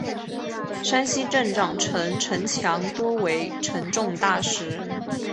山西镇长城城墙多为沉重大石。